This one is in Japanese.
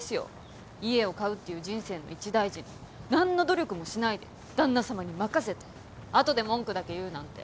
家を買うっていう人生の一大事に何の努力もしないで旦那様に任せて後で文句だけ言うなんて。